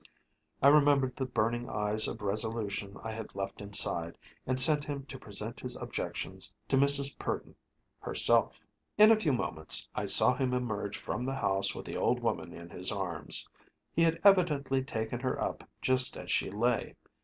I remembered the burning eyes of resolution I had left inside, and sent him to present his objections to Mrs. Purdon herself. In a few moments I saw him emerge from the house with the old woman in his arms. He had evidently taken her up just as she lay.